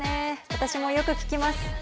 私もよく聴きます。